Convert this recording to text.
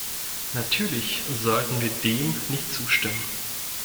Natürlich sollten wir dem nicht zustimmen.